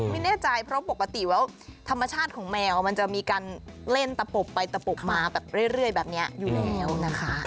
ไม่แน่ใจเพราะปกติแล้วธรรมชาติของแมวมันจะมีการเล่นตะปบไปตะปบมาแบบเรื่อยแบบนี้อยู่แล้วนะคะ